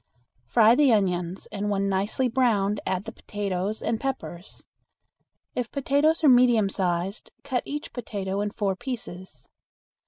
Fry the onions, and when nicely browned add the potatoes and peppers. If potatoes are medium sized, cut each potato in four pieces.